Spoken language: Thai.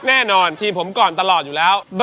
แน่นอนทีมผมก่อนตลอดอยู่แล้ว